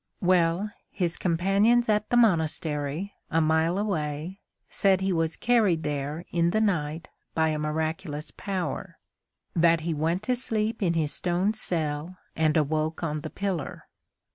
Well, his companions at the monastery, a mile away, said he was carried there in the night by a miraculous power; that he went to sleep in his stone cell and awoke on the pillar.